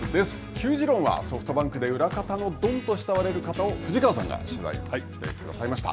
球自論はソフトバンクで裏方のドンと慕われる方を藤川さんが取材してくださいました。